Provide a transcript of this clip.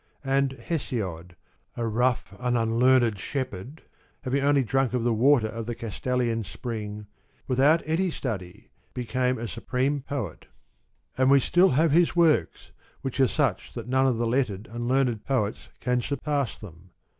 And Hesiod, a rough and unlearned shepherd, having only drunk of the water of the Cas talian spring, without any study became a supreme poet; 131 and we still have his works, which are such that none of the lettered and learned poets can surpass them.